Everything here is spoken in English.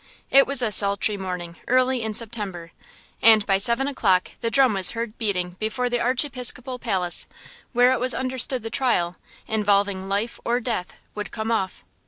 It was a sultry morning, early in September, and by seven o'clock the drum was heard beating before the Archiepiscopal palace, where it was understood the trial, involving life or death, would come off.